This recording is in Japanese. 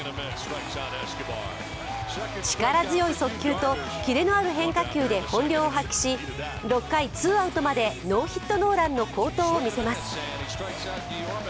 力強い速球とキレのある変化球で本領を発揮し、６回ツーアウトまでノーヒットノーランの好投を見せます。